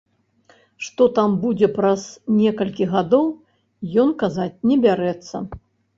Што там будзе праз некалькі гадоў, ён казаць не бярэцца.